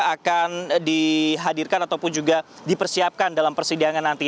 akan dihadirkan ataupun juga dipersiapkan dalam persidangan nanti